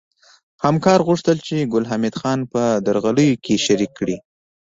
همکار غوښتل چې ګل حمید خان په درغلیو کې شریک کړي